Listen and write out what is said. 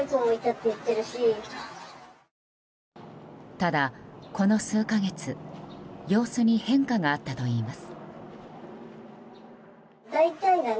ただ、この数か月様子に変化があったといいます。